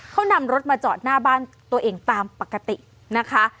เขานำรถมาจอดหน้าบ้านตัวเองตามปกตินะคะ